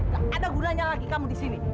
gak ada gunanya lagi kamu disini